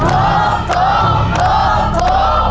ถูกถูกถูกถูก